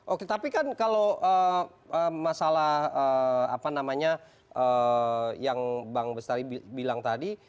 oke tapi kan kalau masalah apa namanya yang bang bestari bilang tadi